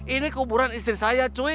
ini kuburan istri saya cui